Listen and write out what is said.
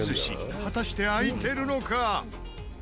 果たして開いてるのか？